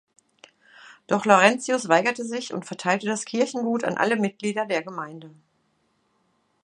Doch Laurentius weigerte sich und verteilte das Kirchengut an alle Mitglieder der Gemeinde.